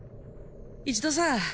一度さ